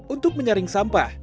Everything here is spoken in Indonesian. untuk menyaring sampah